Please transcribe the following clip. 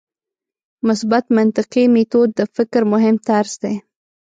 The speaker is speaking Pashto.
مثبت منطقي میتود د فکر مهم طرز دی.